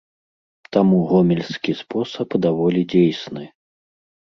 Таму гомельскі спосаб даволі дзейсны.